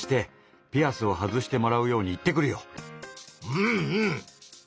うんうん！